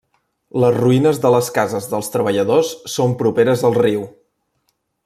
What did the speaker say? Les ruïnes de les cases dels treballadors són properes al riu.